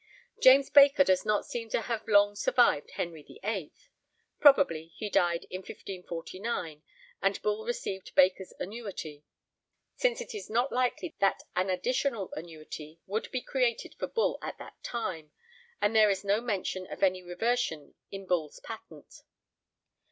James Baker does not seem to have long survived Henry VIII. Probably he died in 1549, and Bull received Baker's annuity, since it is not likely that an additional annuity would be created for Bull at that time, and there is no mention of any reversion in Bull's patent.